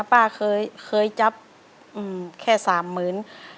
ป้าเคยจับแค่๓๐๐๐บาท